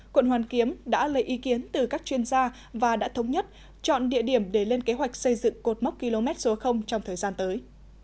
quận hoàn kiếm đã lấy ý kiến từ các chuyên gia và đã thống nhất chọn địa điểm để lên kế hoạch xây dựng cột mốc km số trong thời gian tới